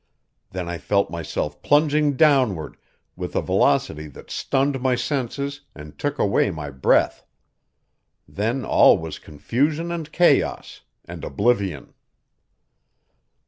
Then I felt myself plunging downward with a velocity that stunned my senses and took away my breath; and then all was confusion and chaos and oblivion.